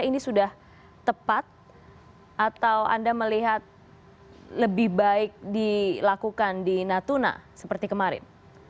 ini sudah tepat atau anda melihat lebih baik dilakukan di natuna seperti kemarin